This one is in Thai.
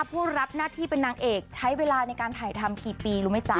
ผู้รับหน้าที่เป็นนางเอกใช้เวลาในการถ่ายทำกี่ปีรู้ไหมจ๊ะ